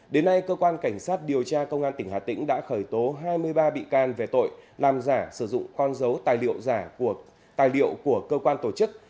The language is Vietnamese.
đến nay cơ quan cảnh sát điều tra công an tỉnh hà tĩnh đã khởi tố hai mươi ba bị can về tội làm giả sử dụng con dấu tài liệu của cơ quan tổ chức